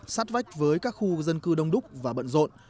sát vách với các khu dân cư đông đúc và bận rộn